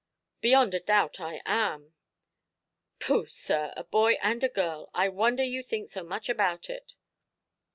"Beyond a doubt, I am". "Pooh, sir, a boy and a girl. I wonder you think so much about it.